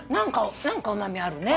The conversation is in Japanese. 何かうま味あるね。